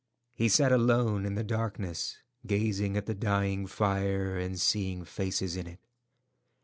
He sat alone in the darkness, gazing at the dying fire, and seeing faces in it.